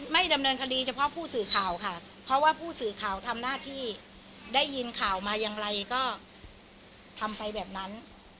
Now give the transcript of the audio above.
ไม่ดำเนินคดีเฉพาะผู้สื่อข่าวค่ะเพราะว่าผู้สื่อข่าวทำหน้าที่ได้ยินข่าวมาอย่างไรก็ทำไปแบบนั้น